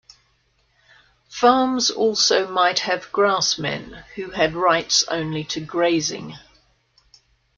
Farms also might have grassmen, who had rights only to grazing.